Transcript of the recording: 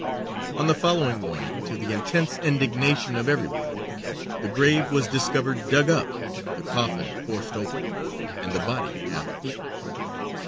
On the following morning, to the intense indignation of every one, the grave was discovered dug up, the coffin forced open, and the body half eaten.